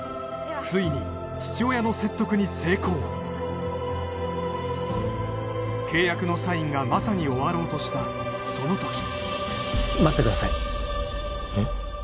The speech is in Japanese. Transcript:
ついに父親の説得に成功契約のサインがまさに終わろうとしたそのとき待ってくださいえっ？